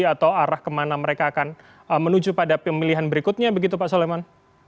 atau arah kemana mereka akan menuju pada pemilihan berikutnya begitu pak soleman